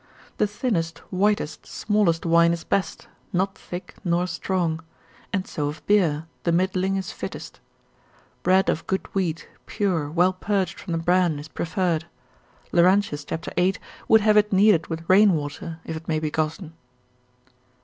The thinnest, whitest, smallest wine is best, not thick, nor strong; and so of beer, the middling is fittest. Bread of good wheat, pure, well purged from the bran is preferred; Laurentius, cap. 8. would have it kneaded with rain water, if it may be gotten.